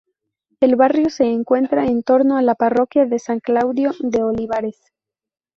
El barrio se estructura en torno a la parroquia de San Claudio de Olivares.